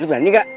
lo berani gak